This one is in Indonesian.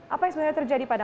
apa yang sebenarnya terjadi